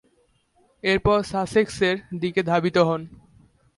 এরপর, সাসেক্সের দিকে ধাবিত হন।